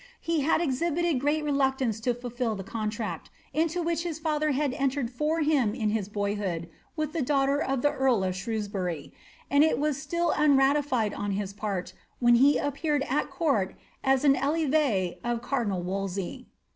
He had exhibited great reluctance to fulfil the contract, into which his father had entered for him in his boyhood with the dau^ter of the earl of Shrewsbury,' and it was still unratified on his part when he appeared at court as an el^e of cardinal Wolsey.